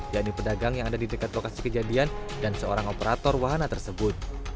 yaitu pedagang yang ada di dekat lokasi kejadian dan seorang operator wahana tersebut